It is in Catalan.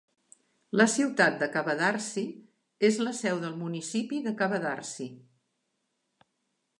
La ciutat de Kavadarci és la seu del municipi de Kavadarci.